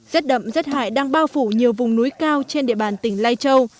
rết đậm rết hải đang bao phủ nhiều vùng núi cao trên địa bàn tỉnh lai châu